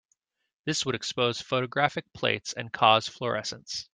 This would expose photographic plates and cause fluorescence.